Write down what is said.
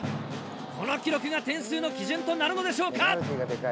この記録が点数の基準となるのでしょうか？